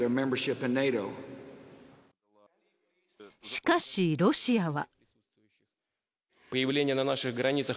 しかし、ロシアは。